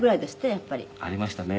やっぱり」「ありましたね。